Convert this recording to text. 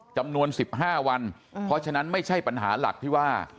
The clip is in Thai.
จำนวน๑๕วันเพราะฉะนั้นไม่ใช่ปัญหาหลักที่ว่า